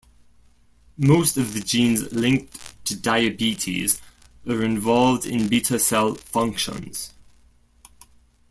Most of the genes linked to diabetes are involved in beta cell functions.